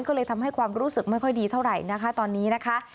ก็เลยทำให้ความรู้สึกไม่ค่อยดีเท่าไหร่นะคะตอนนี้นะคะ